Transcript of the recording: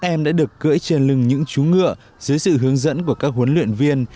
các em đã được cưỡi trên lưng những chú ngựa dưới sự hướng dẫn của các huấn luyện viên